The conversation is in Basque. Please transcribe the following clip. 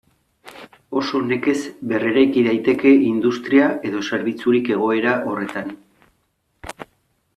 Oso nekez berreraiki daiteke industria edo zerbitzurik egoera horretan.